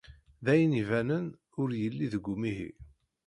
D ayen ibanen ur yelli deg umihi.